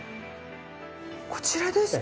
こちらですか？